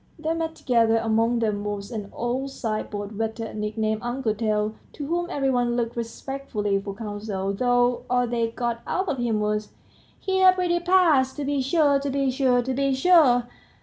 They met together. Among them was an old sideboard waiter, nicknamed Uncle Tail, to whom every one looked respectfully for counsel, though all they got out of him was, "Here's a pretty pass! to be sure, to be sure, to be sure!"